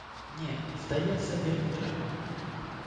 Не, здаецца, вельмі трэба.